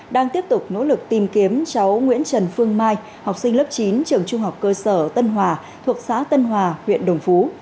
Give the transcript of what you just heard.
đang tiếp tục nỗ lực tìm kiếm cháu nguyễn trần phương mai học sinh lớp chín trường trung học cơ sở tân hòa thuộc xã tân hòa huyện đồng phú